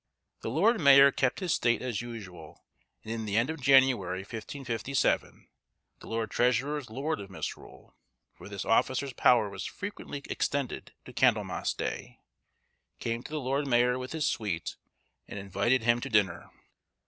The lord mayor kept his state as usual, and in the end of January, 1557, the lord treasurer's lord of Misrule,—for this officer's power was frequently extended to Candlemas Day—came to the lord mayor with his suite, and invited him to dinner.